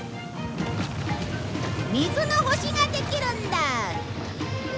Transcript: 水の星ができるんだ！